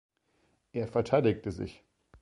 Er verteidigte sich.